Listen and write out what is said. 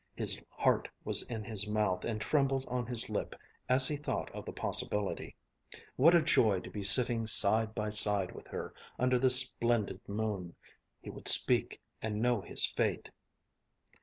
His heart was in his mouth and trembled on his lip as he thought of the possibility. What a joy to be sitting side by side with her under this splendid moon! He would speak and know his fate.